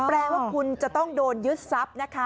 แปลว่าคุณจะต้องโดนยึดทรัพย์นะคะ